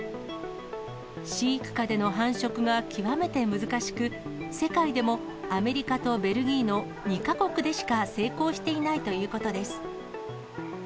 飼育下での繁殖が極めて難しく、世界でもアメリカとベルギーの２か国でしか成功していないということです。